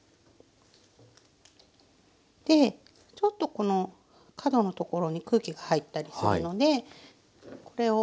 ちょっとこの角のところに空気が入ったりするのでこれをトントン。